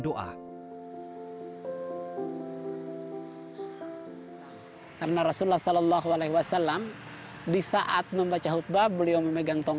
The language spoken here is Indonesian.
sebelum berkhutbah khatib meletakkan sebuah tongkat diantara jari kaki seraya memandangkan